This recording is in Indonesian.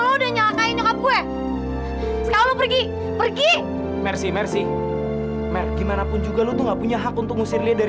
oh ya oh lu gak tau apa apa